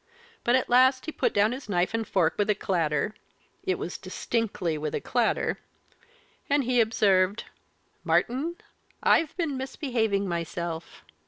But at last he put down his knife and fork with a clatter it was distinctly with a clatter and he observed, 'Martyn, I've been misbehaving myself.'